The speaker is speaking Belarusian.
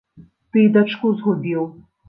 Ты і дачку згубіў!